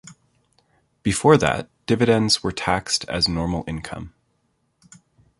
Before that, dividends were taxed as normal income.